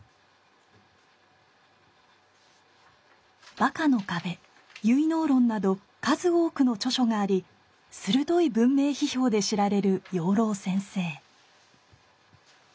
「バカの壁」「唯脳論」など数多くの著書があり鋭い文明批評で知られる養老センセイ。